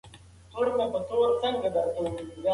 که ته مرسته وکړې نو موږ به دا کلا بیا جوړه کړو.